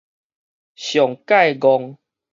上蓋戇